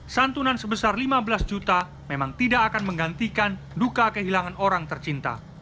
santunan sebesar lima belas juta memang tidak akan menggantikan duka kehilangan orang tercinta